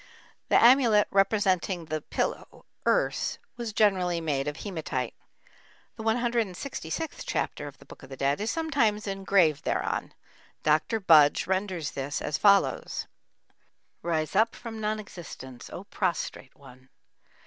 The amulet representing the pillow, urs, was generally made of hematite. The 166th chapter of the Book of the Dead is sometimes engraved thereon. Dr. Budge renders this as follows: Rise up from non existence, O prostrate one!